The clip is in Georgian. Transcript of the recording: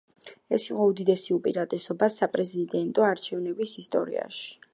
ეს იყო უდიდესი უპირატესობა საპრეზიდენტო არჩევნების ისტორიაში.